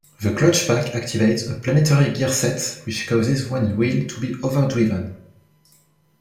The clutch pack activates a planetary gearset which causes one wheel to be overdriven.